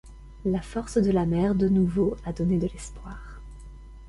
La force de la mer de nouveau à donner de l'espoir.